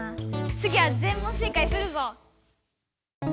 つぎは全問正解するぞ！